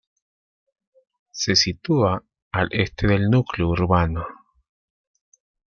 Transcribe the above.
Se sitúa al este del núcleo urbano.